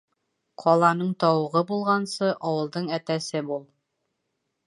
Ҡаланың тауығы булғансы, ауылдың әтәсе бул.